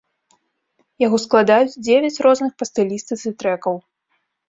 Яго складаюць дзевяць розных па стылістыцы трэкаў.